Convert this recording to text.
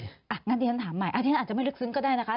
อ่ะงั้นเดี๋ยวฉันถามใหม่อันนี้อาจจะไม่ลึกซึ้งก็ได้นะคะ